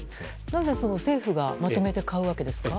なぜ政府がまとめて買うわけですか？